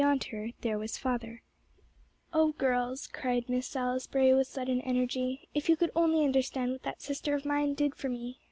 "Oh girls," cried Miss Salisbury, with sudden energy, "if you could only understand what that sister of mine did for me!